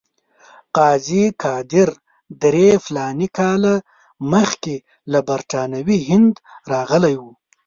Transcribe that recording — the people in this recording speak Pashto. قاضي قادر درې فلاني کاله مخکې له برټانوي هند راغلی وو.